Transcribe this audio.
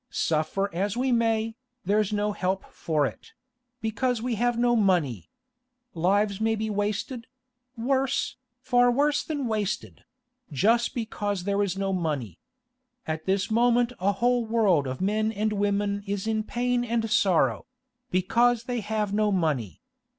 Suffer as we may, there's no help for it—because we have no money. Lives may be wasted—worse, far worse than wasted—just because there is no money. At this moment a whole world of men and women is in pain and sorrow—because they have no money.